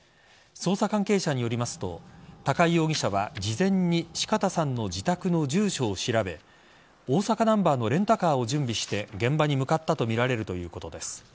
捜査関係者によりますと高井容疑者は事前に四方さんの自宅の住所を調べ大阪ナンバーのレンタカーを準備して現場に向かったとみられるということです。